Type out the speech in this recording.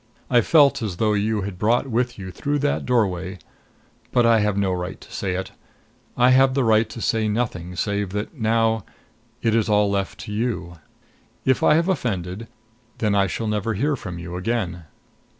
I felt as though you had brought with you through that doorway But I have no right to say it. I have the right to say nothing save that now it is all left to you. If I have offended, then I shall never hear from you again.